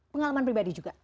pengalaman pribadi juga